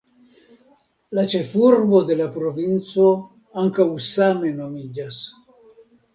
La ĉefurbo de la provinco ankaŭ same nomiĝas.